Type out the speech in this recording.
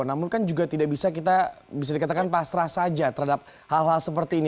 namun kan juga tidak bisa kita bisa dikatakan pasrah saja terhadap hal hal seperti ini